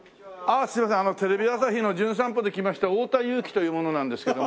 あのテレビ朝日の『じゅん散歩』で来ました太田雄貴という者なんですけども。